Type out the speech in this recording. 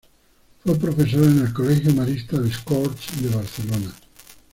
Fue profesor en el Colegio Maristas Les Corts de Barcelona.